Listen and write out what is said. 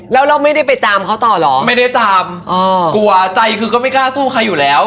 แล้วเราไม่ได้ไปจามเขาต่อเหรอไม่ได้จามอ๋อกลัวใจคือก็ไม่กล้าสู้ใครอยู่แล้ว